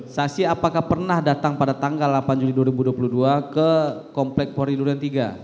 saksi apakah pernah datang pada tanggal delapan juli dua ribu dua puluh dua ke komplek polri duren tiga